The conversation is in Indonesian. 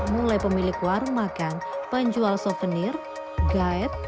mulai pemilik warung makan penjual souvenir guide